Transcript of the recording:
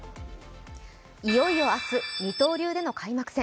いよいよ明日、二刀流での開幕戦。